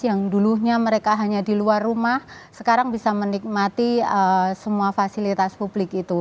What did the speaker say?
yang dulunya mereka hanya di luar rumah sekarang bisa menikmati semua fasilitas publik itu